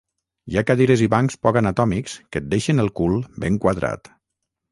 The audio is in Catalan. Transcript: Hi ha cadires i bancs poc anatòmics que et deixen el cul ben quadrat